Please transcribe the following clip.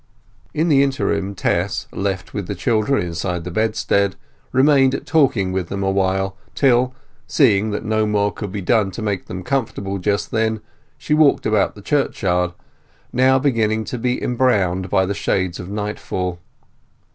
In the interim Tess, left with the children inside the bedstead, remained talking with them awhile, till, seeing that no more could be done to make them comfortable just then, she walked about the churchyard, now beginning to be embrowned by the shades of nightfall.